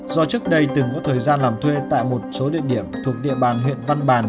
do trước đây từng có thời gian làm thuê tại một số địa điểm thuộc địa bàn huyện văn bàn